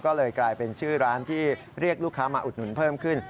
ก็เลยกลายเป็นชื่อร้านที่เรียกลูกค้ามาอุดหนุนเพิ่มขึ้น